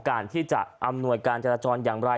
การที่จะอำนวยการจราจรอย่างไร